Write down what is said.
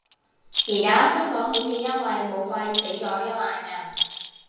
而家香港好似因為武肺死咗一萬人